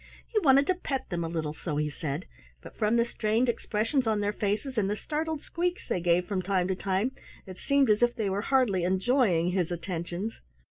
He wanted to pet them a little, so he said, but from the strained expressions on their faces and the startled squeaks they gave from time to time, it seemed as if they were hardly enjoying his attentions.